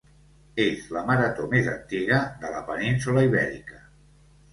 És la marató més antiga de la península Ibèrica.